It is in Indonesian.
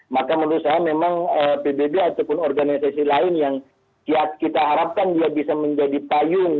maka menurut saya memang pbb ataupun organisasi lain yang kita harapkan dia bisa menjadi payung